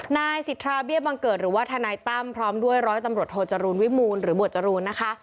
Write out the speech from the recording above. นายสิทธาเบี้ยบังเกิดหรือว่าทนายตั้มพร้อมด้วยร้อยตำรวจโทจรูลวิมูลหรือหวดจรูนนะคะ